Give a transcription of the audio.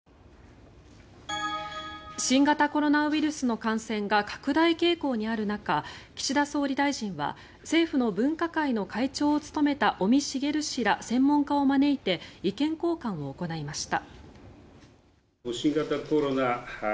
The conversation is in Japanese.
新型コロナウイルスの感染が拡大傾向にある中岸田総理大臣は政府の分科会の会長を務めた尾身茂氏ら専門家を招いて意見を交換を行いました。